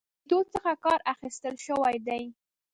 میتود څخه کار اخستل شوی دی.